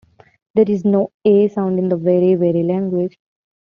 There is no "ey" sound in the Waray-Waray language.